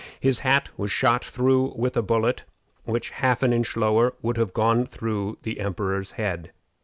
His hat was shot through with a bullet which half an inch lower would have gone through the emperor's head.